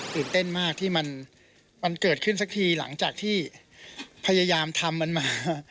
ตื่นเต้นมากที่มันเกิดขึ้นสักทีหลังจากที่พยายามทำมันมา